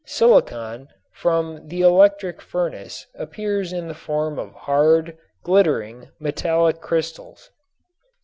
Silicon from the electric furnace appears in the form of hard, glittering metallic crystals.